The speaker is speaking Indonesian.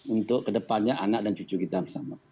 untuk kedepannya anak dan cucu kita bersama